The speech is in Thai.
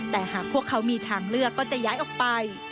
แต่หากพวกเขามีทางเลือกก็จะย้ายออกไป